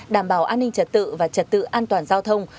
đảm bảo an ninh trật tự và trật tự an toàn giao thông